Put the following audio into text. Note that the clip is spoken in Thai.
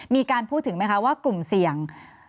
มีการพูดถึงไหมคะว่ากลุ่มเสี่ยง